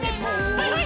はいはい！